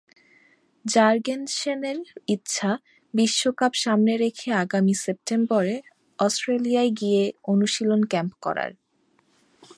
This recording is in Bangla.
জার্গেনসেনের ইচ্ছা, বিশ্বকাপ সামনে রেখে আগামী সেপ্টেম্বরে অস্ট্রেলিয়ায় গিয়ে অনুশীলন ক্যাম্প করার।